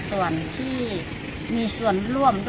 สวัสดีครับ